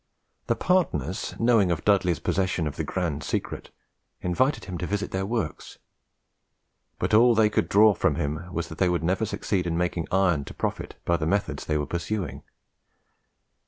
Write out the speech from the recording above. The partners knowing of Dudley's possession of the grand secret, invited him to visit their works; but all they could draw from him was that they would never succeed in making iron to profit by the methods they were pursuing.